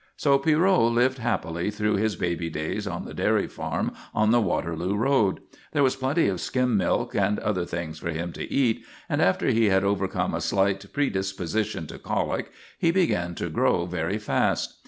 So Pierrot lived happily through his baby days on the dairy farm on the Waterloo Road. There was plenty of skim milk and other things for him to eat, and after he had overcome a slight predisposition to colic he began to grow very fast.